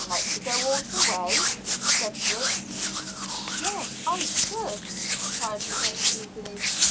"Like to go all the way?" said Griggs. "Yes, I should," cried Chris eagerly.